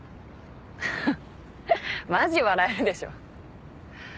フッマジ笑えるでしょ。